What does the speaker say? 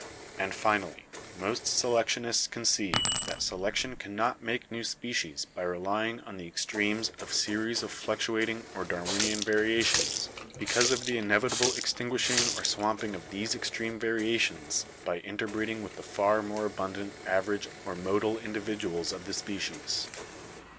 "And finally, most selectionists concede that selection cannot make new species by relying on the extremes of series of fluctuating or Darwinian variations, because of the inevitable extinguishing or swamping of these ex treme variations by interbreeding with the far more abun dant average or modal individuals of the species."